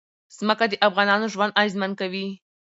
ځمکه د افغانانو ژوند اغېزمن کوي.